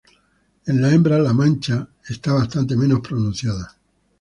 En las hembras, la mancha está bastante menos pronunciada.